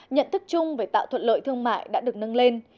nhận thức chung về tạo thuận lợi thương mại đã được nâng lên